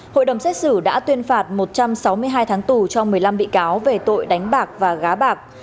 hội đồng xét xử đã tuyên phạt một trăm sáu mươi hai tháng tù cho một mươi năm bị cáo về tội đánh bạc và gá bạc